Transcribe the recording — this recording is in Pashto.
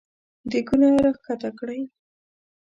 دېګونه راکښته کړی !